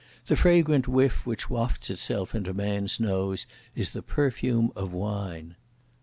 The fragrant whiff, which wafts itself into man's nose, is the perfume of wine!